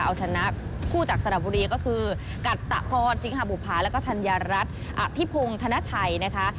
เอาชนะคู่จากสระบุรีก็คือกัตตะพรสิงหาบุภาแล้วก็ธัญรัฐอภิพงศ์ธนชัยนะคะ